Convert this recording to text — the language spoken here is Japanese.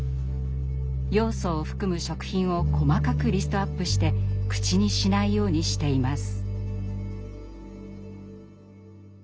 ヨウ素を含む食品を細かくリストアップして口にしないようにしています。